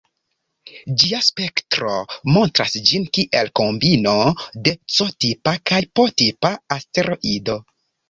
Ĝia spektro montras ĝin kiel kombino de C-tipa kaj P-tipa asteroido.